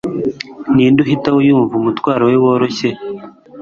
ninde uhita yumva umutwaro we woroshye